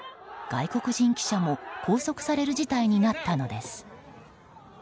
外国人記者も拘束される事態となったのです。